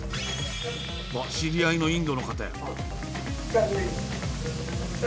知り合いのインドの方や。